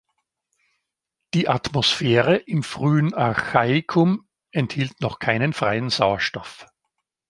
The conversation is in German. Die Atmosphäre im frühen Archaikum enthielt noch keinen freien Sauerstoff.